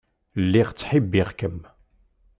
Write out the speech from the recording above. Lliɣ ttḥibbiɣ-kem.